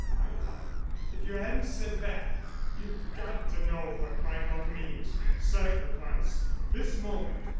"My love! ... if you hadn't said that! You've got to know what my love means ... sacrifice.... This moment